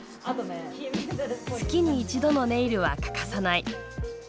月に１度のネイルは欠かさない。